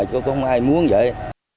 chứ có không ai muốn vậy